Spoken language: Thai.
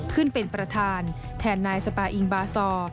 ขึ้นเป็นประธานแทนนายสปาอิงบาซอร์